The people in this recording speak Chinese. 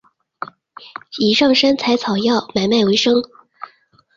以上山采草药买卖为生。